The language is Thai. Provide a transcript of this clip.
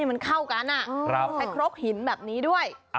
มันเข้ากันใช้ครกหินแบบนี้ด้วย